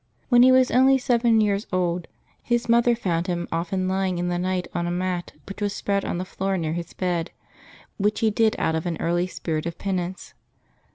When he was only seven years old his mother found him often lying in the night on a mat which was spread on the floor near his bed, which he did out of an early spirit of penance.